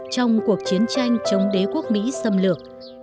trong cuộc chiến tranh chống đế quốc mỹ xâm lược